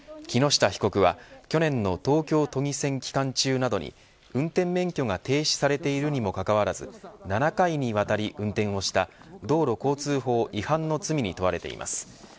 木下被告は去年の東京都議選期間中などに運転免許が停止されているにもかかわらず７回にわたり運転をした道路交通法違反の罪に問われています。